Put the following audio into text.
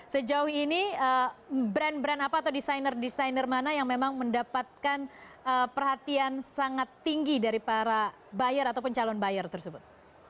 sejauh ini brand brand apa atau desainer desainer mana yang memang mendapatkan perhatian sangat tinggi dari para buyer ataupun calon buyer tersebut